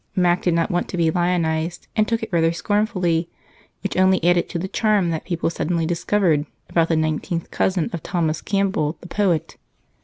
Mac did not want to be lionized and took it rather scornfully, which only added to the charm that people suddenly discovered about the nineteenth cousin of Thomas Campbell, the poet.